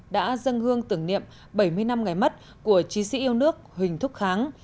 đã dâng hương tưởng niệm bảy mươi năm ngày mất của chí sĩ yêu nước huỳnh thúc kháng